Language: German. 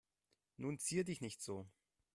Nun zier dich nicht so.